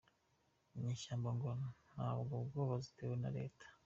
Inyeshyamba ngo nta bwoba zitewe na leta